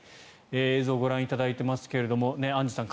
映像をご覧いただいていますがアンジュさん